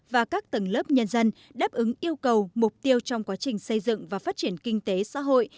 và các tầng lớp nhân dân đáp ứng yêu cầu mục tiêu trong quá trình xây dựng và phát triển kinh tế xã hội